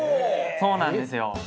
そうなんですよ。